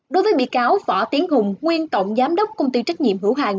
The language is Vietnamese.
đối với bị cáo võ tiến hùng nguyên tổng giám đốc công ty trách nhiệm hữu hàng